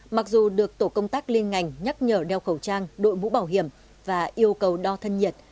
mặc dù được tổ công tác liên ngành nhắc nhở đeo khẩu trang đội mũ bảo hiểm và yêu cầu đo thân nhiệt